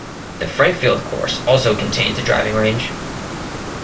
The Frankfield course also contains a driving range.